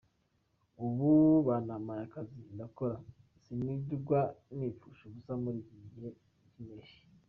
Ubu banampaye akazi ndakora, sinirirwa nipfusha ubusa muri iki gihe cy’impeshyi.